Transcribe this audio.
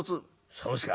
『そうですか。